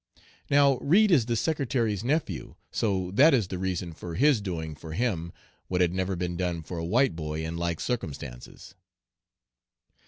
Now Reid is the Secretary's nephew, so that is the reason for his doing 'for him what had never been done for a white boy in like circumstances.'